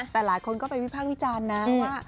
แต่หลายคนก็ไปวิภาควิจารณ์นะว่า